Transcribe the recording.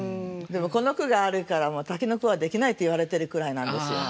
でもこの句があるから滝の句はできないって言われてるくらいなんですよ。